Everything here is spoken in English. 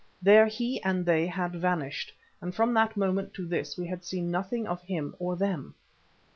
There he and they had vanished, and from that moment to this we had seen nothing of him or them.